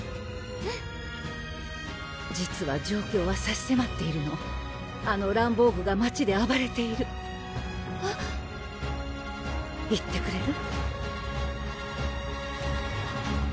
うん実は状況はさしせまっているのあのランボーグが街であばれているえっ行ってくれる？